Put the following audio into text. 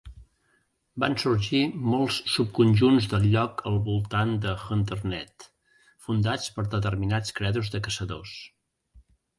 Van sorgir molts subconjunts del lloc al voltant de Hunter-net, fundats per determinats credos de caçadors.